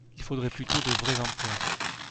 Il faudrait plutôt de vrais emplois